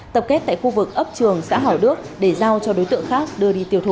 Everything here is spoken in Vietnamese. tập kết tại khu vực ấp trường xã hảo đức để giao cho đối tượng khác đưa đi tiêu thụ